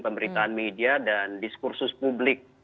pemberitaan media dan diskursus publik